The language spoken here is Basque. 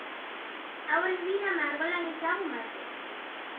Hauek dira margolan ezagun batzuk.